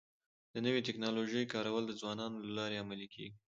د نوي ټکنالوژۍ کارول د ځوانانو له لارې عملي کيږي.